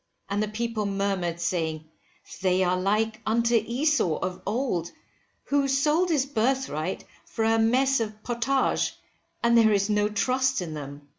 And the people murmured, saying, they are like unto Esau of old, who sold his birthright for a mess of potage, and there is no trust in them.